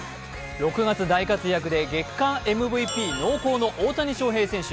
６月大活躍で月間ＭＶＰ濃厚の大谷翔平選手。